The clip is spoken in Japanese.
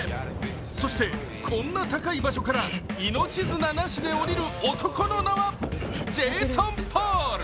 そしてこんな高い場所から命綱なしでおりる男の名はジェイソン・ポール。